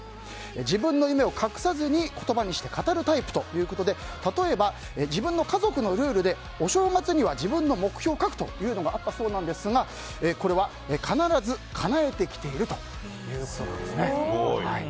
自分の夢を隠さずに言葉にして語るタイプということで例えば、自分の家族のルールでお正月には自分の目標を書くというのがあったそうなんですがこれは、必ずかなえてきているということなんです。